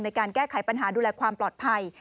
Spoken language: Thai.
ในการแก้ไขปัญหาดูแลความปลอดภัย